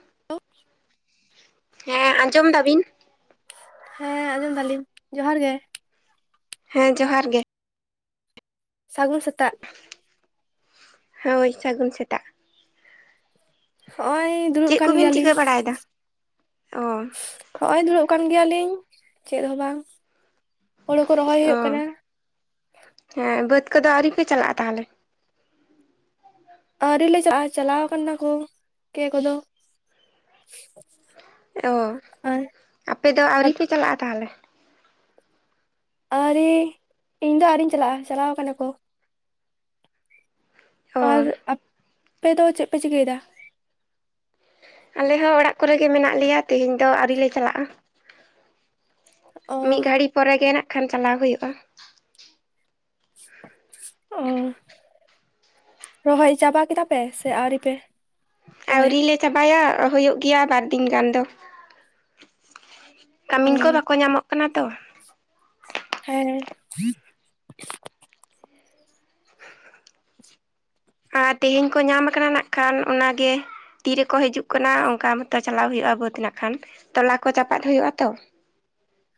[inaudible] ᱦᱮᱸ ᱟᱸᱡᱚᱢ ᱫᱟ ᱵᱤᱱ? ᱦᱮᱸ ᱟᱸᱡᱚᱢ ᱫᱟᱞᱤᱧ ᱡᱚᱦᱟᱨ ᱜᱮ᱾ ᱦᱮᱸ ᱡᱚᱦᱟᱨ ᱜᱮ᱾ ᱥᱟᱹᱜᱩᱱ ᱥᱮᱛᱟᱜ᱾ ᱦᱳᱭ ᱥᱟᱹᱜᱩᱱ ᱥᱮᱛᱟᱜ᱾ ᱦᱚᱸᱜᱼᱚᱭ ᱫᱩᱲᱩᱵ ᱪᱮᱫ ᱟᱠᱟᱱ ᱠᱚᱵᱤᱱ ᱪᱤᱠᱟᱹ ᱜᱮᱭᱟᱞᱤᱧ᱾ ᱵᱟᱲᱟᱭᱮᱫᱟ ᱚ ᱦᱚᱸᱜᱼᱚᱭ ᱫᱩᱲᱩᱵ ᱠᱟᱱ ᱜᱮᱭᱟᱞᱤᱧ ᱪᱮᱫ ᱦᱚᱸ ᱵᱟᱝ ᱦᱩᱲᱩ ᱠᱚ ᱨᱚᱦᱚᱭ ᱚ ᱦᱩᱭᱩᱜ ᱠᱟᱱᱟ᱾ ᱦᱮᱸ ᱵᱟᱹᱫᱽ ᱠᱚᱫᱚ ᱟᱹᱣᱨᱤ ᱯᱮ ᱪᱟᱞᱟᱜᱼᱟ ᱛᱟᱦᱚᱞᱮ? ᱟᱹᱣᱨᱤ ᱞᱮ ᱪᱟᱞᱟᱜᱼᱟ ᱪᱟᱞᱟᱣ ᱠᱟᱱᱟ ᱠᱚ ᱠᱮ ᱠᱚᱫᱚ ᱚᱻ ᱟᱨ ᱟᱯᱮ ᱫᱚ ᱟᱹᱣᱨᱤ ᱯᱮ ᱪᱟᱞᱟᱜᱼᱟ ᱛᱟᱦᱚᱞᱮ? ᱟᱣᱨᱮ ᱤᱧ ᱫᱚ ᱟᱣᱨᱤᱧ ᱪᱟᱞᱟᱜᱼᱟ ᱪᱟᱞᱟᱣ ᱠᱟᱱᱟ ᱠᱚ᱾ ᱚ ᱟᱨ ᱟᱯᱮ ᱫᱚ ᱪᱮᱫ ᱯᱮ ᱪᱤᱠᱟᱹᱭᱮᱫᱟ? ᱟᱞᱮ ᱦᱚᱸ ᱚᱲᱟᱜ ᱠᱚᱨᱮᱜᱮ ᱢᱮᱱᱟᱜ ᱞᱮᱭᱟ ᱛᱮᱦᱮᱧ ᱫᱚ ᱟᱣᱨᱤ ᱞᱮ ᱪᱟᱞᱟᱜᱼᱟ᱾ ᱚ ᱢᱤᱫ ᱜᱷᱟᱹᱲᱤ ᱯᱚᱨᱮᱜᱮ ᱱᱟᱜ ᱠᱷᱟᱱ ᱪᱟᱞᱟᱣ ᱦᱩᱭᱩᱜᱼᱟ᱾ ᱚᱸ ᱨᱚᱦᱚᱭ ᱪᱟᱵᱟ ᱠᱮᱫᱟ ᱯᱮ ᱥᱮ ᱟᱹᱣᱨᱤ ᱯᱮ ᱨᱚᱦᱚᱭᱟ ᱟᱹᱣᱨᱤ ᱞᱮ ᱪᱟᱵᱟᱭᱟ ᱦᱩᱭᱩᱜ ᱜᱮᱭᱟ ᱵᱟᱨᱫᱤᱱ ᱜᱟᱱ ᱫᱚ᱾ ᱚ ᱠᱟᱹᱢᱤᱱ ᱠᱚ ᱵᱟᱠᱚ ᱧᱟᱢᱚᱜ ᱠᱟᱱᱟ ᱛᱚ᱾ ᱦᱮᱸᱦᱮᱸ᱾ ᱟᱨ ᱛᱮᱦᱮᱧ ᱠᱚ ᱧᱟᱢ ᱟᱠᱟᱱᱟ ᱱᱟᱽᱜ ᱠᱷᱟᱱ ᱚᱱᱟ ᱜᱮ᱾ ᱛᱤᱨᱮᱠᱚ ᱦᱤᱡᱩᱜ ᱠᱟᱱᱟ ᱚᱱᱠᱟ ᱢᱚᱛᱚ ᱪᱟᱞᱟᱣ ᱦᱩᱭᱩᱜᱼᱟ ᱵᱟᱹᱫᱽ ᱱᱟᱜ ᱠᱷᱟᱱ ᱛᱚᱞᱟ ᱠᱚ ᱪᱟᱯᱟᱫ ᱦᱩᱭᱩᱜᱼᱟ ᱛᱚ᱾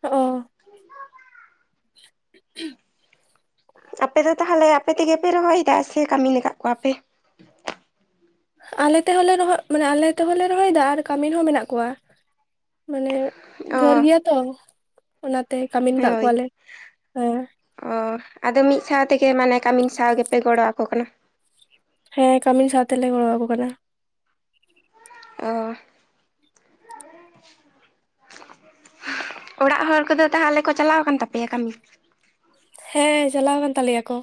ᱚᱻ [unintelligible] ᱟᱯᱮ ᱫᱚ ᱛᱟᱦᱚᱞᱮ ᱟᱯᱮ ᱛᱮᱜᱮ ᱯᱮ ᱨᱚᱦᱚᱭᱮᱫᱟ ᱥᱮ ᱠᱟᱹᱢᱤᱱ ᱟᱠᱟᱫ ᱠᱚᱣᱟᱯᱮ? ᱟᱞᱮ ᱛᱮᱦᱚᱸ ᱞᱮ ᱨᱚᱦᱚ ᱟᱨ ᱢᱟᱱᱮ ᱟᱞᱮ ᱛᱮᱦᱚᱸ ᱞᱮ ᱨᱚᱦᱚᱭᱮᱫᱟ ᱟᱨ ᱠᱟᱹᱢᱤᱱ ᱦᱚᱸ ᱢᱮᱱᱟᱜ ᱠᱚᱣᱟ᱾ ᱢᱟᱱᱮ ᱰᱷᱮᱨ ᱚ ᱜᱮᱭᱟ ᱛᱚ᱾ ᱚᱱᱟᱛᱮ ᱠᱟᱹᱢᱤᱱ ᱠᱟᱜ ᱠᱚᱣᱟᱞᱮ ᱦᱮᱸ᱾ ᱚᱻ ᱟᱫᱚ ᱢᱤᱫ ᱥᱟᱶ ᱛᱮᱜᱮ ᱢᱟᱱᱮ ᱠᱟᱹᱢᱤᱱ ᱥᱟᱶ ᱜᱮᱯᱮ ᱜᱚᱲᱚ ᱟᱠᱚ ᱠᱟᱱᱟ? ᱦᱮᱸ ᱠᱟᱹᱢᱤᱱ ᱥᱟᱶᱛᱮᱞᱮ ᱜᱚᱲᱚᱣᱟᱠᱚ ᱠᱟᱱᱟ᱾ ᱚᱻ ᱚᱲᱟᱜ ᱦᱚᱲ ᱠᱚᱫᱚ ᱛᱟᱦᱟᱞᱮ ᱠᱚ ᱪᱟᱞᱟᱣ ᱟᱠᱟᱱ ᱛᱟᱯᱮᱭᱟ ᱠᱟᱹᱢᱤ? ᱦᱮᱸ ᱪᱟᱞᱟᱣ ᱠᱟᱱ ᱛᱟᱞᱮᱭᱟ ᱠᱚ᱾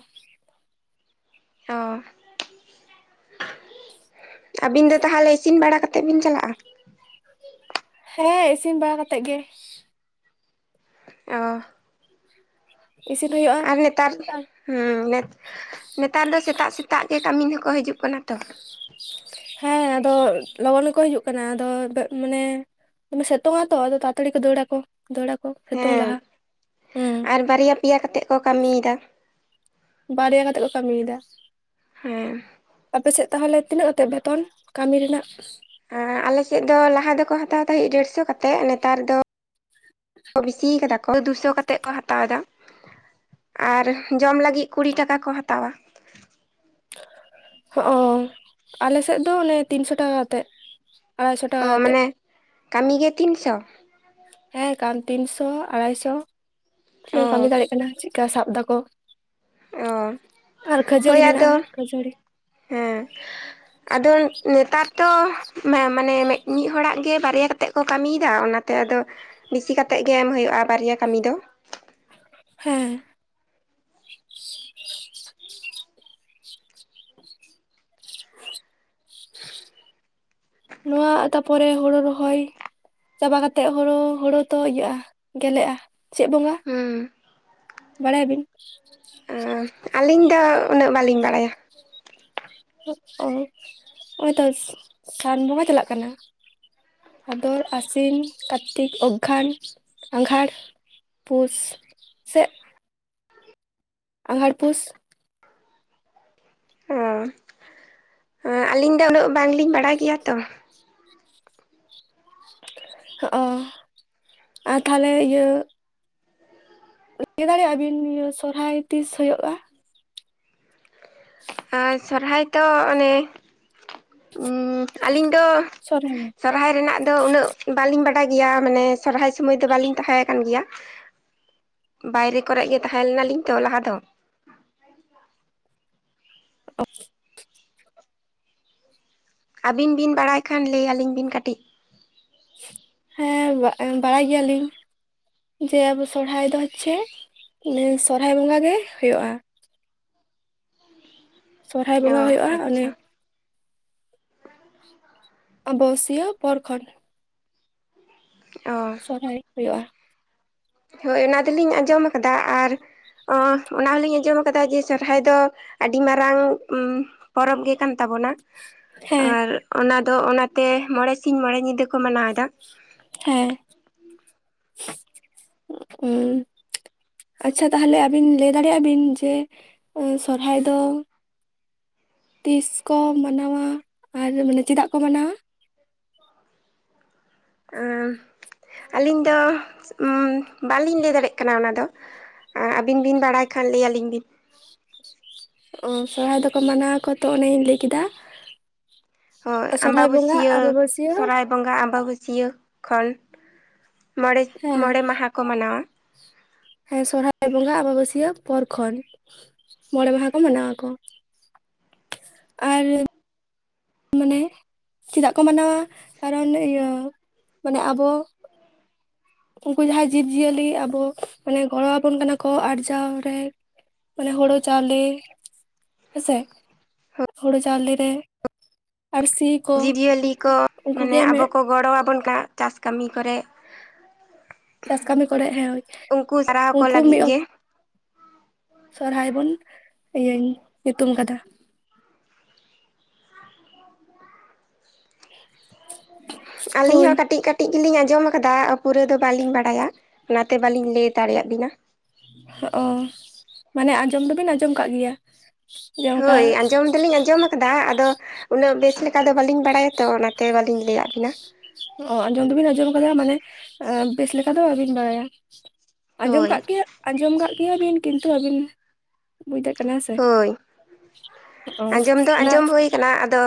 ᱚᱻ ᱟᱹᱵᱤᱱ ᱫᱚ ᱛᱟᱦᱚᱞᱮ, ᱤᱥᱤᱱ ᱵᱟᱲᱟ ᱠᱟᱛ ᱠᱟᱛᱮᱫ ᱵᱤᱱ ᱪᱟᱞᱟᱜᱼᱟ? ᱦᱮᱸ, ᱤᱥᱤᱱ ᱵᱟᱲᱟ ᱠᱟᱛᱮᱫ ᱜᱮ᱾ ᱚᱻ ᱤᱥᱤᱸᱱ ᱦᱩᱭᱩᱜ-ᱟ ᱱᱮᱛᱟᱨ ᱦᱩᱻ ᱱᱮᱛᱟᱨ ᱫᱚ, ᱥᱮᱛᱟᱜ ᱥᱮᱛᱟᱜ ᱜᱮ ᱠᱟᱹᱢᱤ ᱦᱚᱸᱠᱚ ᱦᱤᱡᱩᱜ ᱠᱟᱱᱟ ᱛᱚ᱾ ᱦᱮᱸ ᱟᱫᱚ, ᱞᱚᱜᱚᱱ ᱜᱮᱠᱚ ᱦᱤᱡᱩᱜ ᱠᱟᱱᱟ, ᱟᱫᱚ ᱢᱟᱱᱮ ᱫᱚᱢᱮ ᱥᱮᱛᱳᱝ ᱟᱛᱚ, ᱟᱫᱚ ᱛᱟᱲᱟᱛᱟᱹᱲᱤ ᱠᱚ ᱫᱟᱹᱲᱟᱠᱚ, ᱫᱟᱹᱲᱟᱠᱚ ᱥᱮᱛᱳᱝ ᱦᱮᱸ ᱞᱟᱦᱟ, ᱦᱮᱸ ᱟᱨ ᱵᱟᱨᱭᱟ ᱯᱮᱭᱟ ᱠᱟᱛᱮᱫ ᱠᱚ ᱠᱟᱹᱢᱤᱭᱮᱫᱟ᱾ ᱵᱟᱨᱭᱟ ᱠᱟᱛᱮᱜ ᱠᱚ ᱠᱟᱹᱢᱤᱭᱮᱫᱟ᱾ ᱦᱮᱻ ᱟᱯᱮᱥᱮᱫ ᱛᱟᱹᱦᱚᱞᱮ ᱛᱤᱱᱟᱹᱜ ᱠᱟᱛᱮᱫ ᱵᱮᱛᱚᱱ, ᱠᱟᱹᱢᱤ ᱨᱮᱱᱟᱜ? ᱮ ᱟᱞᱮ ᱥᱮᱫ ᱫᱚ ᱞᱟᱦᱟ ᱫᱚᱠᱚ ᱦᱟᱛᱟᱣ ᱛᱟᱦᱮᱸᱜ, ᱰᱮᱲᱥᱚ ᱠᱟᱛᱮᱜ, ᱱᱮᱛᱟᱨ ᱫᱚ ᱵᱤᱥᱤ ᱠᱟᱫᱟ ᱚᱭ ᱫᱩᱥᱚ ᱠᱟᱛᱮᱫ ᱠᱚ ᱦᱟᱛᱟᱣ ᱮᱫᱟ, ᱟᱨ ᱡᱚᱢ ᱞᱟᱹᱜᱤᱫ ᱠᱩᱲᱤ ᱴᱟᱠᱟ ᱠᱚ ᱦᱟᱛᱟᱣᱟ᱾ ᱦᱚᱸ, ᱟᱞᱮ ᱥᱮᱫ ᱚᱱᱮ ᱛᱤᱱᱥᱚ ᱴᱟᱠᱟ ᱠᱟᱛᱮᱫ, ᱟᱲᱟᱭᱥᱚ ᱚ ᱴᱟᱠᱟ ᱠᱟᱛᱮᱫ ᱢᱟᱱᱮ, ᱠᱟᱹᱢᱤ ᱜᱮ ᱛᱤᱱᱥᱚ? ᱦᱮᱸ, ᱠᱟᱱ ᱛᱤᱱᱥᱚ, ᱟᱲᱟᱭᱥᱚ, ᱪᱮᱫ ᱠᱟᱹᱢᱤ ᱚ ᱫᱟᱲᱮᱭᱟᱜ ᱠᱟᱱᱟ᱾ ᱟᱨ ᱪᱮᱫ ᱠᱟ ᱥᱟᱵ ᱫᱟᱠᱚ ᱚ ᱟᱨ, ᱦᱳᱭ ᱠᱷᱟᱹᱡᱟᱹᱲᱤ ᱢᱮᱱᱟᱜᱼᱟ, ᱟᱫᱚ ᱠᱷᱟᱹᱡᱟᱹᱲᱤ᱾ ᱦᱮᱸ, ᱟᱫᱚ ᱱᱮᱛᱟᱨ ᱫᱚ, ᱢᱮ ᱢᱟᱱᱮ ᱢᱤᱫ ᱦᱚᱲᱟᱜ ᱜᱮ ᱵᱟᱨᱭᱟ ᱠᱟᱛᱮ ᱠᱚ ᱠᱟᱹᱢᱤᱭᱮᱫᱟ᱾ ᱚᱱᱟ ᱛᱮ ᱟᱫᱚ ᱵᱤᱥᱤ ᱠᱟᱛᱮᱫ ᱜᱮ ᱮᱢ ᱦᱩᱭᱩᱜᱼᱟ, ᱵᱟᱨᱭᱟ ᱠᱟᱹᱢᱤ ᱫᱚ᱾ ᱦᱮᱸ, [unintelligible] [unintelligible] ᱱᱚᱣᱟ ᱟ ᱛᱟᱯᱚᱨᱮ ᱦᱳᱲᱳ ᱨᱚᱦᱚᱭ, ᱪᱟᱵᱟ ᱠᱟᱛᱮᱫ ᱦᱳᱲᱳ, ᱦᱳᱲᱳ ᱛᱚ ᱤᱭᱟᱹᱜᱼᱟ ᱜᱮᱞᱮᱜᱼᱟ? ᱪᱮᱫ ᱵᱚᱸᱜᱟ, ᱦᱩᱸ ᱵᱟᱲᱟᱭ ᱟᱹᱵᱤᱱ? ᱚ ᱟᱹᱞᱤᱧ ᱫᱚ ᱩᱱᱟᱹᱜ ᱵᱟᱹᱞᱤᱧ ᱵᱟᱲᱟᱭᱟ᱾ ᱚ ᱦᱚᱜᱼᱚᱭ ᱛᱚ ᱥᱟ ᱥᱟᱱ ᱵᱚᱸᱜᱟ ᱪᱟᱞᱟᱜ ᱠᱟᱱᱟ, ᱵᱷᱟᱫᱚᱨ, ᱟᱥᱤᱱ, ᱠᱟᱨᱛᱤᱠ, ᱚᱜᱽᱜᱷᱟᱱ, ᱟᱸᱜᱷᱟᱲ, ᱯᱩᱥ, ᱥᱮᱜ ᱟᱸᱜᱷᱟᱲ ᱯᱩᱥ᱾ ᱚ ᱟᱹᱞᱤᱧ ᱫᱚ ᱩᱱᱟᱹᱜ, ᱵᱟᱝᱞᱤᱧ ᱵᱟᱲᱟᱭ ᱜᱮᱭᱟ ᱛᱚ, ᱦᱚ ᱟᱨ ᱛᱟᱦᱚᱞᱮ ᱤᱭᱟᱹ, [inaudible] ᱞᱟᱹᱭ ᱫᱟᱲᱮᱭᱟᱜᱼᱟ ᱵᱤᱱ, ᱥᱚᱨᱦᱟᱭ ᱛᱤᱥ ᱦᱳᱭᱳᱜᱼᱟ? ᱟᱨ ᱥᱚᱨᱚᱦᱟᱭ ᱫᱚ ᱚᱱᱮ ᱩᱢ, ᱟᱹᱞᱤᱧ ᱫᱚ ᱥᱚᱨᱳ [unintelligible] ᱥᱚᱨᱦᱟᱭ ᱨᱮᱱᱟᱜ ᱫᱚ ᱩᱱᱟᱹᱜ, ᱵᱟᱹᱞᱤᱧ ᱵᱟᱰᱟᱭ ᱜᱮᱭᱟ, ᱢᱟᱱᱮ ᱥᱚᱨᱦᱟᱭ ᱥᱚᱢᱚᱭ ᱫᱚ, ᱵᱟᱹᱞᱤᱧ ᱛᱟᱸᱦᱮ ᱟᱠᱟᱱ ᱜᱮᱭᱟ᱾ ᱵᱟᱭᱨᱮ ᱠᱚᱨᱮ ᱜᱮ, ᱛᱟᱦᱮᱸ ᱞᱮᱱᱟᱞᱤᱧ ᱛᱚ ᱞᱟᱦᱟ ᱫᱚ᱾ ᱚ [inaudible] ᱟᱹᱵᱤᱱ ᱵᱤᱱ ᱵᱟᱲᱟᱭ ᱠᱷᱟᱱ, ᱞᱟᱹᱭ ᱟᱹᱞᱤᱧ ᱵᱤᱱ ᱠᱟᱹᱴᱤᱡ? ᱦᱮᱸ ᱵᱟ ᱵᱟᱲᱟᱭ ᱜᱮᱭᱟᱞᱤᱧ, ᱡᱮ ᱟᱵᱚ ᱥᱚᱨᱦᱟᱭ ᱫᱚ ᱦᱚᱪᱪᱷᱮ, ᱮ ᱥᱚᱨᱦᱟᱭ ᱵᱚᱸᱜᱟ ᱜᱮ ᱦᱳᱭᱳᱜ-ᱟ᱾ ᱥᱚᱨᱦᱟᱭ ᱚ ᱵᱚᱸᱜᱟ ᱦᱩᱭᱩᱜᱼᱟ, ᱚᱱᱮ ᱟᱪᱪᱷᱟ ᱟᱢᱵᱟ ᱵᱟᱹᱥᱤᱭᱟᱹ ᱯᱚᱨ ᱠᱷᱚᱱ ᱚ ᱥᱚᱨᱦᱟᱭ ᱦᱩᱭᱩᱜᱼᱟ᱾ ᱦᱳᱭ ᱚᱱᱟ ᱫᱚᱞᱤᱧ ᱟᱸᱡᱚᱢ ᱠᱟᱫᱟ ᱟᱨ ᱚ ᱚᱱᱟ ᱦᱚᱞᱤᱧ ᱟᱸᱡᱚᱢ ᱠᱟᱫᱟ ᱡᱮ ᱥᱚᱨᱦᱟᱭ ᱫᱚ ᱟᱹᱰᱤ ᱢᱟᱨᱟᱝ ᱯᱚᱨᱚᱵᱽ ᱜᱮ ᱠᱟᱱ ᱛᱟᱵᱚᱱᱟ, ᱦᱮᱸ ᱟᱨ ᱚᱱᱟ ᱫᱚ ᱚᱱᱟ ᱛᱮ ᱢᱚᱬᱮ ᱥᱤᱧ ᱢᱚᱬᱮ ᱧᱤᱫᱟᱹ ᱠᱚ ᱢᱟᱱᱟᱣ ᱮᱫᱟ᱾ ᱦᱮᱸ ᱩᱸᱜ ᱩᱸ᱾ ᱟᱪᱪᱷᱟ ᱛᱟᱦᱚᱞᱮ ᱟᱹᱵᱤᱱ ᱞᱟᱹᱭ ᱫᱟᱲᱮᱭᱟᱜ ᱵᱤᱱ ᱡᱮ ᱥᱚᱨᱦᱟᱭ ᱫᱚ ᱛᱤᱥ ᱠᱚ ᱢᱟᱱᱟᱣᱟ, ᱟᱨ ᱢᱟᱱᱮ ᱪᱮᱫᱟᱜ ᱠᱚ ᱢᱟᱱᱟᱣᱟ? ᱟᱢ ᱟᱹᱞᱤᱧ ᱫᱚ ᱵᱟᱹᱞᱤᱧ ᱞᱟᱹᱭ ᱫᱟᱲᱮᱜ ᱠᱟᱱᱟ ᱚᱱᱟ ᱫᱚ᱾ ᱟ ᱟᱹᱵᱤᱱ ᱵᱤᱱ ᱵᱟᱲᱟᱭ ᱠᱷᱟᱱ ᱞᱟᱹᱭ ᱟᱹᱞᱤᱧ ᱵᱤᱱ᱾ ᱚ ᱥᱚᱨᱚᱦᱟᱭ ᱫᱚᱠᱚ ᱢᱟᱱᱟᱣ ᱟᱠᱚ ᱛᱚ ᱚᱱᱮᱧ ᱞᱟᱹᱭ ᱠᱮᱫᱟ ᱦᱳᱭ ᱥᱚᱨᱦᱟᱭ ᱵᱚᱸᱜᱟ ᱟᱢᱵᱟᱵᱟᱹᱥᱭᱟᱹ ᱟᱵᱟᱵᱟᱹᱥᱤᱭᱟᱹ ᱥᱚᱨᱦᱟᱭ ᱵᱚᱸᱜᱟ ᱟᱵᱟᱵᱟᱹᱥᱭᱟᱹ ᱠᱷᱚᱱ ᱢᱚᱬᱮ ᱦᱮᱸ ᱢᱚᱬᱮ ᱢᱟᱦᱟ ᱠᱚ ᱢᱟᱱᱟᱣᱟ᱾ ᱦᱮᱸ ᱥᱚᱨᱦᱟᱭ ᱵᱚᱸᱜᱟ ᱟᱵᱟᱵᱟᱹᱥᱭᱟᱹ ᱯᱚᱨ ᱠᱷᱚᱱ ᱢᱚᱬᱮ ᱢᱟᱦᱟ ᱠᱚ ᱢᱟᱱᱟᱣ ᱟᱠᱚ᱾ ᱟᱨ ᱢᱟᱱᱮ, ᱪᱮᱫᱟᱜ ᱠᱚ ᱢᱟᱱᱟᱣᱟ ᱠᱟᱨᱚᱱ ᱤᱭᱟᱹ ᱢᱟᱱᱮ ᱟᱵᱚ ᱩᱝᱠᱩ ᱡᱟᱦᱟᱸᱭ ᱡᱤᱵᱽ ᱡᱤᱭᱟᱹᱞᱤ ᱟᱵᱚ ᱢᱟᱱᱮ ᱜᱚᱲᱚ ᱟᱵᱚᱱ ᱠᱟᱱᱟᱠᱚ ᱟᱨᱡᱟᱣ ᱨᱮ ᱢᱟᱱᱮ ᱦᱳᱲᱩ ᱪᱟᱣᱞᱮ ᱦᱮᱸᱥᱮ ᱦᱩᱲᱩ ᱪᱟᱣᱞᱮ ᱨᱮ ᱟᱨ ᱥᱤ ᱡᱤᱵ ᱡᱤᱭᱟᱹᱞᱤ ᱠᱚ ᱢᱟᱱᱮ ᱟᱵᱚ ᱠᱚ ᱜᱚᱲᱚ ᱟᱵᱚᱱ ᱠᱟᱱᱟ ᱪᱟᱥ ᱠᱟᱹᱢᱤ ᱠᱚᱨᱮ, ᱪᱟᱥ ᱠᱟᱹᱢᱤ ᱠᱚᱨᱮ ᱦᱮᱸ ᱩᱝᱠᱩ ᱥᱟᱨᱦᱟᱣ ᱠᱚ ᱩᱱᱠᱩ ᱞᱟᱹᱜᱤᱫ ᱢᱤᱫ ᱜᱮ ᱥᱚᱨᱦᱟᱭ ᱵᱚᱱ ᱤᱭᱟᱹ ᱧᱩᱛᱩᱢ ᱠᱟᱫᱟ ᱾ ᱦ [unintelligible] ᱟᱹᱞᱤᱧ ᱦᱚᱸ ᱠᱟᱹᱴᱤᱡ ᱠᱟᱹ ᱴᱤᱡ ᱜᱮᱞᱤᱧ ᱟᱸᱡᱚᱢ ᱠᱟᱫᱟ, ᱯᱩᱨᱟᱹ ᱫᱚ ᱵᱟᱹᱞᱤᱧ ᱵᱟᱲᱟᱭᱟ, ᱚᱱᱟ ᱛᱮ ᱵᱟᱹᱞᱤᱧ ᱞᱟᱹᱭ ᱫᱟᱲᱮᱭᱟᱜ ᱵᱤᱱᱟ᱾ ᱦᱚᱸᱜᱼᱚ ᱢᱟᱱᱮ ᱟᱸᱡᱚᱢ ᱫᱚᱵᱤᱱ ᱟᱸᱡᱚᱢ ᱠᱟᱜ ᱜᱮᱭᱟ? ᱡᱮ ᱚᱱᱠᱟ ᱦᱳᱭ ᱟᱸᱡᱚᱢ ᱫᱚᱞᱤᱧ ᱟᱸᱡᱚᱢ ᱫᱟ ᱟᱫᱚ ᱩᱱᱟᱹᱜ ᱵᱮᱥ ᱞᱮᱠᱟ ᱫᱚ ᱵᱟᱹᱞᱤᱧ ᱵᱟᱲᱟᱭᱟ ᱛᱚ ᱚᱱᱟᱛᱮ ᱵᱟᱹᱞᱤᱧ ᱞᱟᱹᱭᱟᱫ ᱵᱤᱱᱟ᱾ ᱚ ᱟᱸᱡᱚᱢ ᱫᱚᱵᱤᱱ ᱟᱸᱡᱚᱢ ᱠᱟᱫᱟ ᱢᱟᱱᱮ ᱵᱮᱥ ᱞᱮᱠᱟ ᱫᱚ ᱵᱟᱹᱵᱤᱱ ᱵᱟᱲᱟᱭᱟ᱾ ᱟᱸᱡᱚᱢ ᱦᱳᱭ ᱠᱟᱜ ᱠᱮᱭᱟ ᱟᱸᱡᱚᱢ ᱠᱟᱜ ᱠᱮᱭᱟ ᱵᱤᱱ ᱠᱤᱱᱛᱩ ᱟᱹᱵᱤᱱ ᱵᱩᱡᱫᱟᱲᱮᱜ ᱠᱟᱱᱟ ᱥᱮ ᱦᱳᱭ ᱚ ᱚᱱᱟ ᱠᱟᱱᱟ ᱟᱫᱚ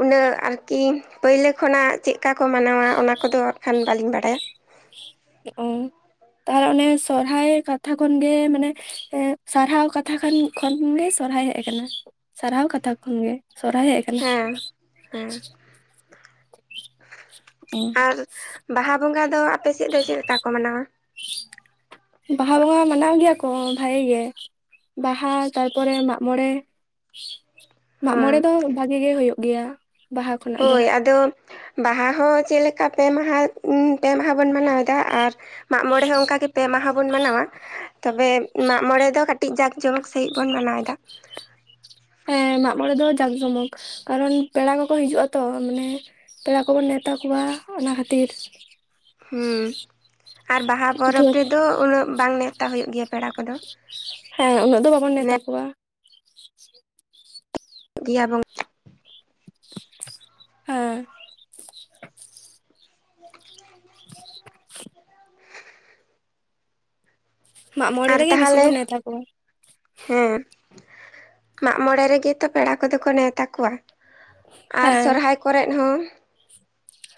ᱩᱱᱟᱹᱜ ᱟᱨᱠᱤ ᱯᱳᱭᱞᱳ ᱠᱷᱚᱱᱟᱜ ᱪᱮᱜ ᱠᱟ ᱠᱚ ᱢᱟᱱᱟᱣᱟ ᱚᱱᱟ ᱠᱚᱫᱚ ᱟᱨ ᱠᱷᱟᱱ ᱵᱟᱹᱞᱤᱧ ᱵᱟᱲᱟᱭᱟ᱾ ᱚ᱾ ᱛᱟᱦᱚᱞᱮ ᱚᱱᱮ ᱥᱚᱨᱦᱟᱭ ᱠᱟᱛᱷᱟ ᱠᱷᱚᱱ ᱜᱮ ᱢᱟᱱᱮ ᱮᱸ ᱥᱟᱨᱦᱟᱣ ᱠᱟᱛᱷᱟ ᱠᱷᱟᱱ ᱠᱷᱚᱱ ᱜᱮ ᱥᱚᱨᱦᱟᱭ ᱦᱮᱜ ᱠᱟᱱᱟ ᱥᱟᱨᱦᱟᱣ ᱠᱟᱛᱷᱟ ᱠᱷᱚᱱ ᱜᱮ ᱥᱚᱨᱦᱟᱭ ᱦᱮᱜ ᱠᱟᱱᱟ᱾ ᱦᱮᱸ ᱦᱮᱸ᱾ ᱟᱨ ᱵᱟᱦᱟ ᱵᱚᱸᱜᱟ ᱫᱚ ᱟᱯᱮ ᱥᱮᱫ ᱫᱚ ᱪᱮᱫ ᱞᱮᱠᱟ ᱠᱚ ᱢᱟᱱᱟᱣᱟ? ᱵᱟᱦᱟ ᱵᱚᱸᱜᱟ ᱢᱟᱱᱟᱣ ᱜᱮᱭᱟ ᱠᱚ ᱵᱷᱟᱜᱤ ᱜᱮ᱾ ᱵᱟᱦᱟ, ᱛᱟᱨᱯᱚᱨᱮ ᱢᱟᱜ-ᱢᱚᱬᱮ ᱢᱟᱜ ᱦᱮᱸ ᱢᱚᱬᱮ ᱫᱚ ᱵᱷᱟᱜᱤ ᱜᱮ ᱦᱩᱭᱩᱜ ᱜᱮᱭᱟ᱾ ᱵᱟᱦᱟ ᱠᱷᱚᱱᱟᱜ ᱫᱚ ᱦᱳᱭ ᱟᱫᱚ ᱵᱟᱦᱟ ᱦᱚᱸ ᱪᱮᱜ ᱞᱮᱠᱟ ᱯᱮ ᱢᱟᱦᱟ ᱩᱸ ᱯᱮ ᱢᱟᱦᱟ ᱵᱚᱱ ᱢᱟᱱᱟᱣ ᱫᱟ, ᱟᱨ ᱢᱟᱜ-ᱢᱚᱬᱮ ᱦᱚᱸ ᱚᱝᱠᱟ ᱜᱮ ᱯᱮ ᱢᱟᱦᱟ ᱵᱚᱱ ᱢᱟᱱᱟᱣᱟ᱾ ᱛᱚᱵᱮ ᱢᱟᱜ ᱢᱚᱬᱮ ᱫᱚ ᱠᱟᱹᱴᱤᱡ ᱡᱟᱠ ᱡᱚᱢᱚᱠ ᱥᱟᱺᱦᱤᱡ ᱵᱚᱱ ᱢᱟᱱᱟᱣ ᱫᱟ᱾ ᱮᱸ ᱢᱟᱜ ᱢᱚᱬᱮ ᱫᱚ ᱡᱟᱸᱠ ᱡᱚᱢᱚᱠ, ᱠᱟᱨᱚᱱ ᱯᱮᱲᱟ ᱠᱚᱠᱚ ᱦᱤᱡᱩᱜᱼᱟ ᱛᱚ, ᱢᱟᱱᱮ ᱯᱮᱲᱟ ᱠᱚᱵᱚᱱ ᱱᱮᱣᱛᱟ ᱠᱚᱣᱟ, ᱚᱱᱟ ᱠᱷᱟᱹᱛᱤᱨ᱾ ᱦᱩᱸ ᱟᱨ ᱵᱟᱦᱟ ᱯᱚᱨᱚᱵᱽ ᱫᱷᱩᱨ ᱛᱮᱫᱚ, ᱩᱱᱟᱹᱜ ᱵᱟᱝ ᱱᱮᱣᱛᱟ ᱦᱳᱭᱳᱜ ᱜᱮᱭᱟ, ᱯᱮᱲᱟ ᱠᱚᱫᱚ᱾ ᱦᱮᱸ, ᱩᱱᱟᱹᱜ ᱫᱚ ᱵᱟᱵᱚᱱ ᱱᱮᱣᱛᱟ ᱠᱚᱣᱟ᱾ ᱫᱮᱭᱟ ᱵᱚᱝ ᱦᱮᱸ, [inaudible] [inaudible] [inaudible] [inaudible] ᱢᱟᱜ ᱢᱚᱬᱮ ᱟᱨ ᱨᱮᱜᱮ ᱵᱮᱥᱤ ᱛᱟᱦᱟᱞᱮ ᱵᱚᱱ ᱱᱮᱣᱛᱟ ᱠᱚᱣᱟ ᱦᱮᱸ, ᱢᱟᱜ ᱢᱚᱬᱮ ᱨᱮᱜᱮ ᱛᱚ, ᱯᱮᱲᱟ ᱠᱚᱫᱚ ᱠᱚ ᱱᱮᱣᱛᱟ ᱠᱚᱣᱟ᱾ ᱟᱨ ᱦᱮᱸ ᱥᱚᱨᱦᱟᱭ ᱠᱚᱨᱮᱸᱜ ᱦᱚᱸ᱾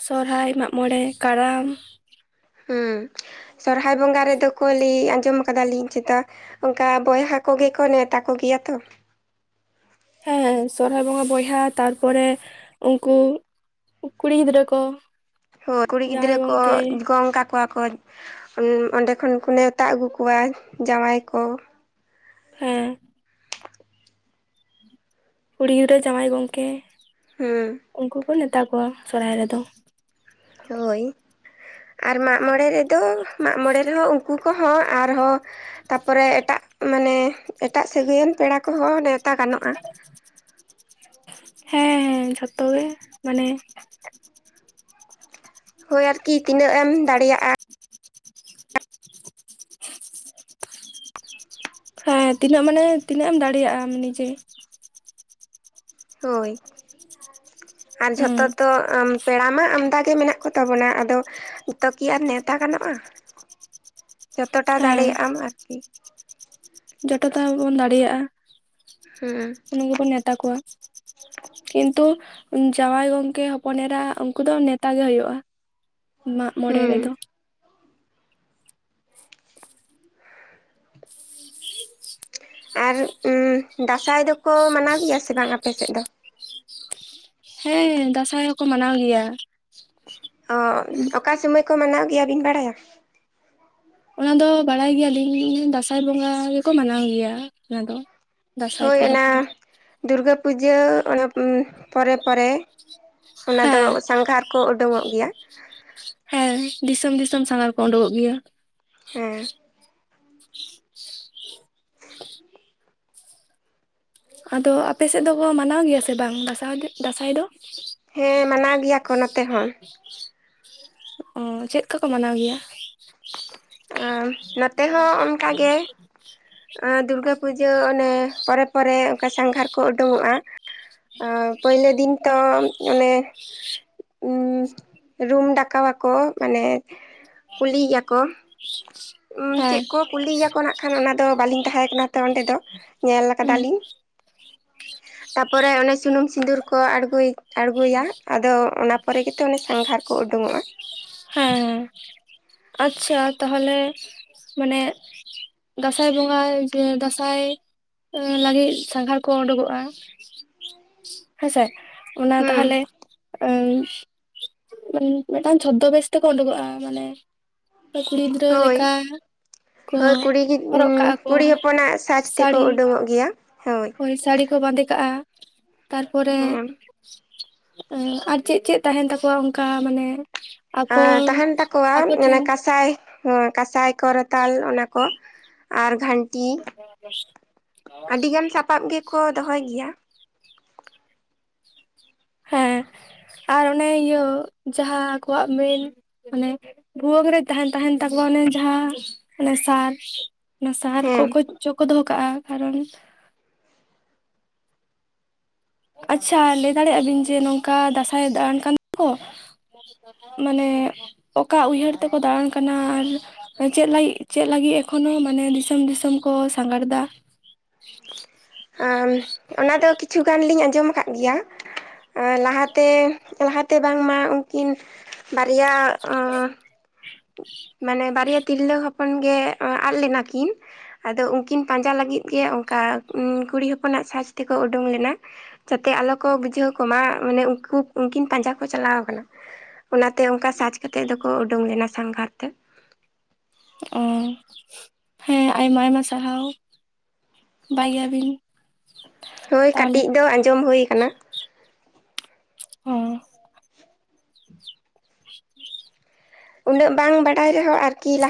ᱥᱚᱨᱦᱟᱭ, ᱢᱟᱜ ᱢᱚᱬᱮ, ᱠᱟᱨᱟᱢ᱾ ᱦᱚᱸ, ᱥᱚᱨᱦᱟᱭ ᱵᱚᱸᱜᱟ ᱨᱮᱫᱚ ᱠᱚ ᱞᱟᱹᱭ, ᱟᱸᱡᱚᱢ ᱠᱟᱫᱟᱞᱤᱧ ᱪᱮᱛᱟ ᱚᱝᱠᱟ ᱵᱚᱭᱦᱟ ᱠᱚᱜᱮ ᱠᱚ, ᱱᱮᱣᱛᱟ ᱠᱚᱜᱮᱭᱟ ᱛᱚ᱾ ᱦᱮᱸ, ᱥᱚᱨᱦᱟᱭ ᱵᱚᱸᱜᱟ ᱵᱚᱭᱦᱟ, ᱛᱟᱨ ᱯᱚᱨᱮ ᱩᱝᱠᱩ ᱠᱩᱲᱤ ᱜᱤᱫᱽᱨᱟᱹ ᱠᱚ᱾ ᱦᱳ, ᱠᱩᱲᱤ ᱜᱤᱫᱽᱨᱟᱹ ᱡᱟᱶᱟᱭ ᱠᱚ ᱜᱚᱝᱠᱮ ᱜᱚᱝ ᱠᱟ ᱠᱚᱣᱟ ᱠᱚ, ᱚᱸᱰᱮ ᱠᱷᱚᱱ ᱠᱚ ᱱᱮᱣᱛᱟ ᱟᱹᱜᱩ ᱠᱚᱣᱟ, ᱡᱟᱶᱟᱭ ᱠᱚ᱾ ᱦᱮᱸ, ᱠᱩᱲᱤ ᱜᱤᱫᱨᱟᱹ ᱡᱟᱶᱟᱭ ᱜᱚᱝᱠᱮ᱾ ᱦᱮᱸ, ᱩᱱᱠᱩ ᱠᱚ ᱱᱮᱶᱛᱟ ᱠᱚᱣᱟ, ᱥᱚᱨᱦᱟᱭ ᱨᱮᱫᱚ᱾ [unintelligible] ᱦᱳᱭ, ᱟᱨ ᱢᱟᱜ ᱢᱚᱬᱮ ᱨᱮᱫᱚ, ᱢᱟᱜ ᱢᱚᱬᱮ ᱨᱮᱦᱚ ᱩᱱᱠᱩ ᱠᱚᱦᱚᱸ ᱟᱨᱦᱚᱸ ᱛᱟᱯᱚᱨᱮ ᱮᱴᱟᱜ, ᱢᱟᱱᱮ ᱮᱴᱟᱜ ᱥᱟ. ᱜᱟᱭᱟᱱ ᱯᱮᱲᱟ ᱠᱚᱦᱚᱸ ᱱᱮᱣ [unintelligible] ᱦᱮᱸ, ᱦᱮᱸ, ᱡᱷᱚᱛᱚ ᱜᱮ ᱢᱟᱱᱮ ᱦᱳᱭ ᱟᱨᱠᱤ ᱛᱤᱱᱟᱹᱜ ᱮᱢ, ᱫᱟᱲᱤᱭᱟᱜᱼᱟ᱾ ᱦᱮᱸ ᱛᱤᱱᱟᱹᱜ ᱢᱟᱱᱮ, ᱛᱤᱱᱟᱹᱜ ᱮᱢ ᱫᱟᱲᱮᱭᱟᱼᱟ ᱱᱤᱡᱮ᱾ ᱦᱳᱭ, ᱟᱨ ᱦᱩᱸ ᱡᱷᱚᱛᱚ ᱛᱚ ᱟᱢ ᱯᱮᱲᱟ ᱢᱟ ᱟᱢᱫᱟ ᱜᱮ ᱢᱮᱱᱟᱜ ᱠᱚᱛᱟ ᱵᱚᱱᱟ, ᱟᱫᱚ ᱡᱚᱛᱚ ᱠᱤ ᱟᱨ ᱱᱮᱣᱛᱟ ᱜᱟᱱᱚᱜᱼᱟ᱾ ᱡᱚᱛᱚᱴᱟ ᱫᱟᱲᱮᱭᱟ ᱟᱢ ᱟᱨᱠᱤ᱾ ᱡᱚᱛᱴᱟ ᱵᱚᱱ ᱫᱟᱲᱮᱭᱟᱼᱟ᱾ ᱦᱮᱸ, ᱱᱤᱭᱳ ᱵᱩᱱ ᱱᱮᱣᱛᱟ ᱠᱚᱣᱟ᱾ ᱠᱤᱱᱛᱩ ᱡᱟᱶᱟᱭ ᱜᱚᱝᱠᱮ ᱦᱚᱯᱚᱱ ᱮᱨᱟ, ᱩᱱᱠᱩ ᱫᱚ ᱱᱮᱛᱟ ᱜᱮ ᱦᱳᱭᱳᱜᱼᱟ᱾ ᱢᱟᱜ ᱢᱚᱬᱮ ᱦᱩᱸ ᱨᱮᱫᱚ᱾ ᱟᱨ ᱩᱸ ᱫᱟᱸᱥᱟᱭ ᱫᱚᱠᱚ, ᱢᱟᱱᱟᱣ ᱜᱮᱭᱟ ᱵᱟᱝ, ᱟᱯᱮ ᱥᱮᱫ ᱫᱚ? ᱦᱮᱸ ᱫᱟᱸᱥᱟᱭ ᱦᱚᱸᱠᱚ, ᱢᱟᱱᱟᱣ ᱜᱮᱭᱟ᱾ ᱚ, ᱚᱠᱟ ᱥᱚᱢᱚᱭ ᱠᱚ ᱢᱟᱱᱟᱣ ᱜᱮᱭᱟ, ᱵᱤᱱ ᱵᱟᱲᱟᱭᱟ? ᱚᱱᱟ ᱫᱚ ᱵᱟᱲᱟᱭ ᱜᱮᱭᱟᱞᱤᱧ, ᱫᱟᱸᱥᱟᱭ ᱵᱚᱸᱜᱟ ᱜᱮᱠᱚ, ᱢᱟᱱᱟᱣ ᱜᱮᱭᱟ ᱚᱱᱟ ᱫᱚ᱾ ᱫᱟᱸᱥᱟᱭ ᱦᱳᱭ ᱯᱚᱨᱚᱵᱽ ᱚᱱᱟ ᱫᱚ ᱫᱩᱨᱜᱟᱹ ᱯᱩᱡᱟᱹ, ᱚᱱᱟ ᱯᱚᱨᱮ ᱯᱚᱨᱮ᱾ ᱚᱱᱟ ᱫᱚ ᱦᱮᱸ ᱥᱟᱸᱜᱷᱟᱨ ᱠᱚ, ᱳᱰᱝᱚᱜ ᱜᱮᱭᱟ᱾ ᱦᱮᱸ ᱫᱤᱥᱚᱢ ᱫᱤᱥᱚᱢ ᱥᱟᱸᱜᱷᱟᱨ ᱠᱚ ᱳᱰᱳᱠᱚᱜ ᱜᱮᱭᱟ᱾ ᱦᱮᱸ, [inaudible] [inaudible] ᱟᱫᱚ ᱟᱯᱮ ᱥᱮᱫ ᱫᱚᱠᱚ ᱢᱟᱱᱟᱣ ᱜᱮᱭᱟ ᱥᱮ ᱵᱟᱝ ᱫᱟᱸᱥᱟᱭ, ᱫᱟᱸᱥᱟᱭ ᱫᱚ? ᱦᱮᱸ ᱢᱟᱱᱟᱣ ᱜᱮᱭᱟ ᱠᱚ ᱱᱚᱛᱮ ᱦᱚᱸ᱾ ᱚᱻ ᱪᱮᱫᱠᱟ ᱠᱚ ᱢᱟᱱᱟᱣ ᱜᱮᱭᱟ? ᱱᱚᱛᱮ ᱦᱚᱸ ᱚᱱᱠᱟᱜᱮ ᱫᱩᱨᱜᱟᱹ ᱯᱩᱡᱟᱹ ᱚᱱᱮ ᱯᱚᱨᱮ ᱯᱚᱨᱮ ᱚᱱᱠᱟ ᱥᱟᱸᱜᱷᱟᱨ ᱠᱚ ᱩᱰᱩᱠᱚᱜᱼᱟ᱾ ᱯᱳᱭᱞᱳ ᱫᱤᱱ ᱛᱚ ᱚᱱᱮ ᱨᱩᱢ ᱰᱟᱠᱟᱣᱟᱠᱚ ᱢᱟᱱᱮ ᱠᱩᱞᱤᱭᱮ ᱟᱠᱚ [unintelligible] ᱪᱮᱫ ᱠᱚ ᱠᱩᱞᱤᱭᱮᱭᱟᱠᱚ ᱱᱟᱜ ᱠᱷᱟᱱ ᱚᱱᱟ ᱫᱚ ᱵᱟᱹᱞᱤᱧ ᱛᱟᱦᱮᱸ ᱠᱟᱱᱟ ᱛᱚ ᱚᱸᱰᱮ ᱫᱚ ᱧᱮᱞ ᱦᱩᱸ ᱦᱮᱸ ᱠᱟᱫᱟᱞᱤᱧ ᱯᱚᱨᱮ ᱚᱱᱮ ᱥᱩᱱᱩᱢ ᱥᱤᱸᱫᱩᱨ ᱠᱚ ᱟᱬᱜᱳᱭᱟ, ᱟᱬᱜᱚᱭᱟ ᱟᱫᱚ ᱚᱱᱟ ᱯᱚᱨᱮ ᱜᱮ ᱛᱚ ᱚᱱᱮ ᱥᱟᱸᱜᱷᱟᱨ ᱠᱚ ᱩᱰᱩᱠᱚᱜᱼᱟ᱾ ᱦᱮᱸ ᱟᱪᱪᱷᱟ ᱛᱟᱦᱚᱞᱮ ᱢᱟᱱᱮ ᱫᱟᱸᱥᱟᱭ ᱵᱚᱸᱜᱟ ᱡᱮ ᱫᱟᱸᱥᱟᱭ ᱞᱟᱹᱜᱤᱫ ᱥᱟᱸᱜᱷᱟᱨ ᱠᱚ ᱩᱰᱩᱠᱚᱜᱼᱟ ᱦᱮᱸᱥᱮ ᱚᱱᱟ ᱦᱩᱸ ᱛᱟᱦᱚᱞᱮ ᱩᱸ ᱢᱤᱫᱴᱟᱝ ᱪᱷᱳᱫᱚ ᱵᱮᱥ ᱛᱮᱠᱚ ᱩᱰᱩᱠᱚᱜᱼᱟ ᱢᱟᱱᱮ ᱠᱩᱲᱤ ᱜᱤᱫᱽᱨᱟᱹ ᱦᱳᱭ ᱞᱮᱠᱟ ᱠᱚ ᱦᱳᱭ ᱠᱩᱲᱤ ᱜᱤᱫ ᱦᱚᱨᱚᱜ ᱠᱟᱜᱼᱟ ᱠᱚ ᱠᱩᱲᱤ ᱦᱚᱯᱚᱱᱟᱜ ᱥᱟᱡᱽ ᱛᱮᱠᱚ ᱥᱟᱹᱲᱤ ᱩᱰᱩᱠᱚᱜ ᱜᱮᱭᱟ ᱦᱳᱭ᱾ ᱥᱟᱹᱲᱤ ᱠᱚ ᱵᱟᱸᱫᱮ ᱠᱟᱜᱼᱟ ᱛᱟᱨᱯᱚᱨᱮ ᱦᱮᱸ ᱟᱨ ᱪᱮᱫ ᱪᱮᱫ ᱛᱟᱦᱮᱱ ᱛᱟᱠᱚᱣᱟ ᱚᱱᱠᱟ ᱢᱟᱱᱮ ᱟᱻ ᱟᱠᱚ ᱛᱟᱦᱮᱱ ᱛᱟᱠᱚᱣᱟ ᱟᱠᱚ ᱴᱷᱮᱱ ᱠᱟᱸᱥᱟᱭ ᱠᱟᱸᱥᱟᱭ ᱠᱚᱨᱛᱟᱞ ᱚᱱᱟ ᱠᱚ᱾ ᱟᱨ ᱜᱷᱟᱱᱴᱤ ᱟᱹᱰᱤ ᱜᱟᱱ ᱥᱟᱯᱟᱵ ᱜᱮᱠᱚ ᱫᱚᱦᱚᱭ ᱜᱮᱭᱟ᱾ ᱦᱮᱸ ᱟᱨ ᱚᱱᱮ ᱤᱭᱟᱹ ᱡᱟᱦᱟᱸ ᱟᱠᱚᱣᱟᱜ ᱢᱮᱞ ᱟᱱᱮ ᱵᱷᱩᱣᱟᱹᱝ ᱨᱮ ᱛᱟᱦᱮᱱ ᱛᱟᱦᱮᱱ ᱛᱟᱠᱚᱣᱟ ᱚᱱᱮ ᱡᱟᱦᱟᱸ ᱚᱱᱮ ᱥᱟᱨ᱾ ᱚᱱᱟ ᱥᱟᱨ ᱠᱚ ᱠᱚ ᱪᱳᱠᱳ ᱫᱚᱦᱚ ᱠᱟᱜᱼᱟ ᱠᱟᱨᱚᱱ ᱟᱪᱪᱷᱟ ᱞᱟᱹᱭ ᱫᱟᱲᱮᱭᱟᱜᱼᱟ ᱵᱤᱱ ᱡᱮ ᱱᱚᱝᱠᱟ ᱫᱟᱸᱥᱟᱭ ᱫᱟᱬᱟᱱ ᱠᱟᱱ ᱫᱚᱠᱚ ᱢᱟᱱᱮ ᱚᱠᱟ ᱩᱭᱦᱟᱹᱨ ᱛᱮᱠᱚ ᱫᱟᱬᱟᱱ ᱠᱟᱱᱟ ᱟᱨ ᱪᱮᱫ ᱞᱟᱹᱜᱤᱫ ᱪᱮᱫ ᱞᱟᱹᱜᱤᱫ ᱮᱠᱷᱚᱱᱳ ᱢᱟᱱᱮ ᱫᱤᱥᱚᱢ ᱫᱤᱥᱚᱢ ᱠᱚ ᱥᱟᱸᱜᱷᱟᱨ ᱮᱫᱟ? ᱚᱱᱟᱫᱚ ᱠᱤᱪᱷᱩ ᱜᱟᱱ ᱞᱤᱧ ᱟᱸᱡᱚᱢ ᱠᱟᱫ ᱜᱮᱭᱟ᱾ ᱞᱟᱦᱟᱛᱮ, ᱞᱟᱦᱟᱛᱮ ᱵᱟᱝᱢᱟ ᱩᱱᱠᱤᱱ ᱵᱟᱨᱭᱟ [unintelligible] ᱢᱟᱱᱮ ᱵᱟᱨᱮᱭᱟ ᱛᱤᱨᱞᱟᱹ ᱦᱚ ᱛᱚᱠᱷᱚᱱ ᱜᱮ ᱟᱫ ᱞᱮᱱᱟ ᱠᱤᱱ᱾ ᱟᱫᱚ ᱩᱱᱠᱤᱱ ᱯᱟᱸᱡᱟ ᱞᱟᱹᱜᱤᱫ ᱜᱮ ᱚᱱᱠᱟ ᱠᱩᱲᱤ ᱦᱚᱯᱚᱱᱟᱜ ᱥᱟᱡᱽ ᱛᱮᱠᱚ ᱩᱰᱩᱠ ᱞᱮᱱᱟ᱾ ᱡᱟᱛᱮ ᱟᱞᱚ ᱠᱚ ᱵᱩᱡᱷᱟᱹᱣ ᱠᱚᱢᱟ ᱢᱟᱱᱮ ᱩᱱᱠᱩ ᱩᱱᱠᱤᱱ ᱯᱟᱸᱡᱟ ᱠᱚ ᱪᱟᱞᱟᱣ ᱠᱟᱱᱟ᱾ ᱚᱱᱟᱛᱮ ᱚᱱᱠᱟ ᱥᱟᱡᱽ ᱠᱟᱛᱮᱜ ᱫᱚᱠᱚ ᱩᱰᱩᱝ ᱞᱮᱱᱟ ᱥᱟᱸᱜᱷᱟᱨ ᱛᱮ᱾ ᱚᱻ ᱦᱮᱸ ᱟᱭᱢᱟ ᱟᱭᱢᱟ ᱥᱟᱨᱦᱟᱣ᱾ ᱵᱟᱭ ᱜᱮᱭᱟᱵᱤᱱ? ᱦᱳᱭ ᱛᱟᱦᱚᱞᱮ ᱠᱟᱴᱤᱡ ᱫᱚ ᱟᱧᱡᱚᱢ ᱦᱩᱭ ᱟᱠᱟᱱᱟ᱾ ᱦᱚᱸ ᱩᱱᱟᱹᱜ ᱵᱟᱝ ᱵᱟᱰᱟᱭ ᱨᱮᱦᱚᱸ ᱟᱨᱠᱤ ᱞᱟᱦᱟ